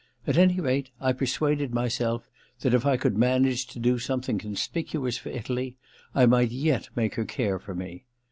At any rate, I persuaded myself that if I could manage to do something conspicuous for Italy I might yet make her care for me.